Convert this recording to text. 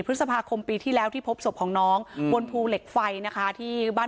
พฤษภาคมปีที่แล้วที่พบศพของน้องบนภูเหล็กไฟนะคะที่บ้าน